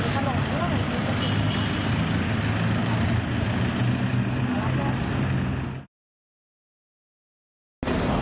กลับมาพักล้า